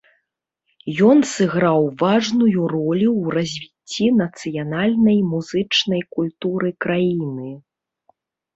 Ён сыграў важную ролю ў развіцці нацыянальнай музычнай культуры краіны.